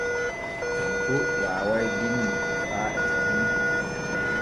Tanko waaway binni faa e fahin.